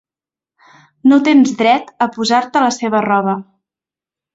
No tens dret a posar-te la seva roba.